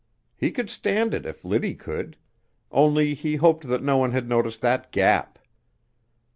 He could stand it if Liddy could only he hoped that no one had noticed that gap.